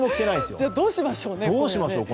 どうしましょう、この先。